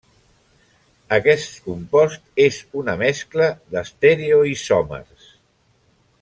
Aquest compost és una mescla d'estereoisòmers.